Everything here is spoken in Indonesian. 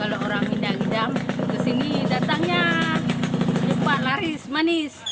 kalau orang minda mindam kesini datangnya lupa laris manis